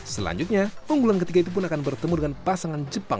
selanjutnya unggulan ketiga itu pun akan bertemu dengan pasangan jepang